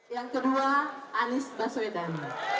yang kedua anies baswedan